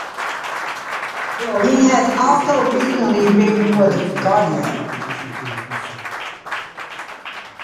He has also recently written for The Guardian.